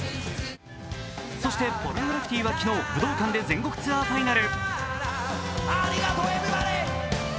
そして、ポルノグラフィティは昨日、武道館で全国ツアーファイナル。